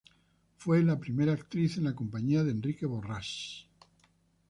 Fue primera actriz en la compañía de Enrique Borrás.